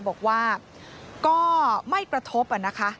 บอกว่าก็ไม่กระทบนะคะ